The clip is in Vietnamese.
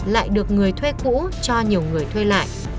lại được người thuê cũ cho nhiều người thuê lại